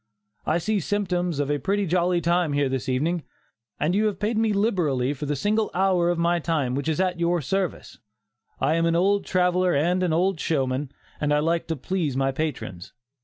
I see symptoms of a pretty jolly time here this evening, and you have paid me liberally for the single hour of my time which is at your service. I am an old traveller and an old showman, and I like to please my patrons.